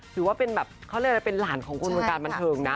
ถือว่าเป็นแบบเขาเรียกอะไรเป็นหลานของคนวงการบันเทิงนะ